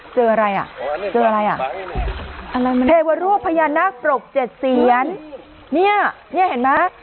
เจออะไรอ่ะเจออะไรอ่ะเทวรูปพญานาคปรกเจ็ดเซียนเนี่ยเห็นไหม